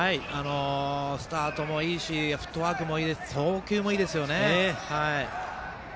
スタートもいいしフットワークもいいし送球もいいですよね。